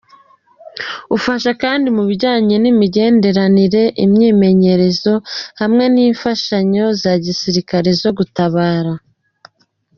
Ufasha kandi mu bijanye n'imigenderanire, imyimenyerezo hamwe n'imfashanyo za gisirikare zo gutabara.